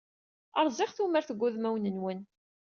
Rẓiɣ tumert deg wudmawen-nwen